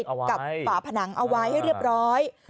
กับฝาผนังเอาไว้ให้เรียบร้อย